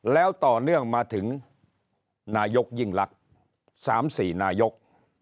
แล้วต่อเนื่องมาถึงนายกยิ่งลักษณ์๓๔นายก